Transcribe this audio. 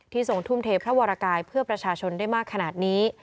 ทรงทุ่มเทพระวรกายเพื่อประชาชนได้มากขนาดนี้